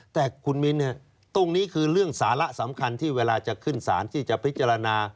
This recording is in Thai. แต่คุณมิ้นตรงนี้คือเรื่องสาระสำคัญที่เวลาจะขึ้นสารที่จะพิจารณา